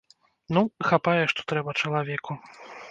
Ну, хапае, што трэба чалавеку.